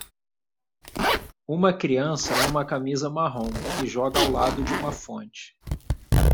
Uma criança em uma camisa marrom que joga ao lado de uma fonte.